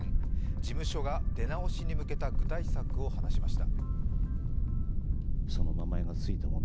事務所が出直しに向けた具体策を話しました。